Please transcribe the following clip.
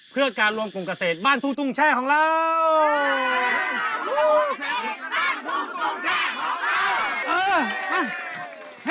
เพื่อการรวมกลุ่มเกษตรบ้านทุ่งตุ้งแช่ของเรา